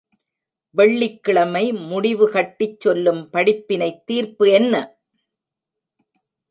வெள்ளிக்கிழமை முடிவுகட்டிச் சொல்லும் படிப்பினைத் தீர்ப்பு என்ன?